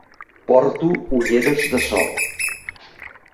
Porto ulleres de sol.